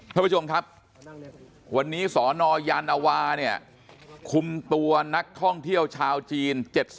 พระผู้ชมครับวันนี้สนยานาวาคุมตัวนักท่องเที่ยวชาวจีน